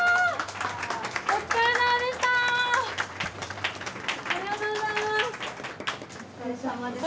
お疲れさまでした。